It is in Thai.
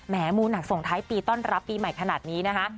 มูหนักส่งท้ายปีต้อนรับปีใหม่ขนาดนี้นะคะ